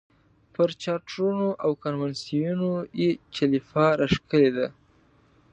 پر چارټرونو او کنونسینونو یې چلیپا راښکلې ده.